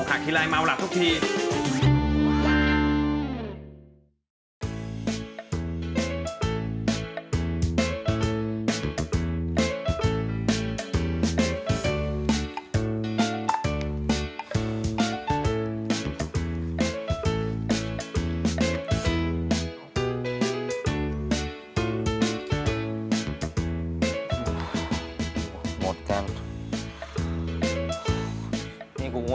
โอ้โหโอ้โหมาเอาหลับอีกแล้ว